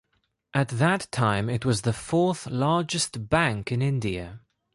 At that time it was the fourth largest bank in India.